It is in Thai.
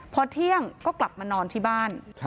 พอเที่ยงก็กลับมานอนที่บ้าน